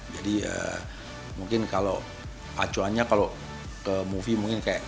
jadi mungkin kalau acuannya kalau ke movie mungkin kayak